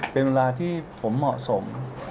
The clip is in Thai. เป็นเวลาที่ผมเหมาะสม